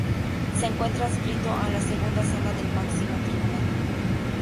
Se encuentra adscrito a la Segunda Sala del máximo tribunal.